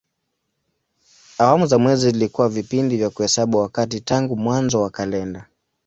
Awamu za mwezi zilikuwa vipindi vya kuhesabu wakati tangu mwanzo wa kalenda.